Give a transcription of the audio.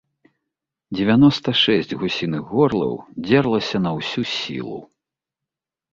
Дзевяноста шэсць гусіных горлаў дзерлася на ўсю сілу.